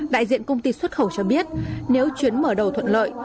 đại diện công ty xuất khẩu cho biết nếu chuyến mở đầu thuận lợi